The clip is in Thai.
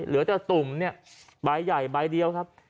เหลือแต่ตุ่มเนี่ยใบใหญ่ใบเดียวครับ